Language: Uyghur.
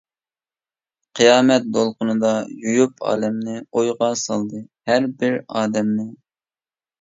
«قىيامەت» دولقۇنىدا يۇيۇپ ئالەمنى، ئويغا سالدى ھەر بىر ئادەمنى.